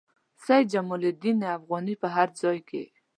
سید جمال الدین افغاني په هر ځای کې.